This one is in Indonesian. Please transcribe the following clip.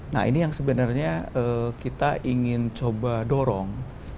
nah ini yang sebenarnya kita ingin coba dorong